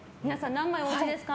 何枚お持ちですか。